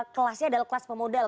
kelasnya adalah kelas pemodel